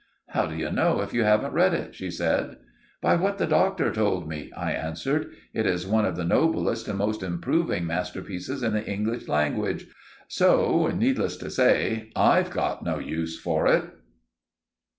"How do you know if you haven't read it?" she said. "By what the Doctor told me," I answered. "It is one of the noblest and most improving masterpieces in the English language, so, needless to say, I've got no use for it."